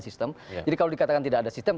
sistem jadi kalau dikatakan tidak ada sistem